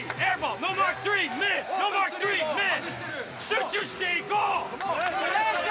集中していこう！